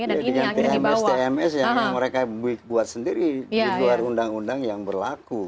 ya dengan tms tms yang mereka buat sendiri di luar undang undang yang berlaku